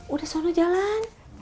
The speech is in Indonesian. udah sono jalan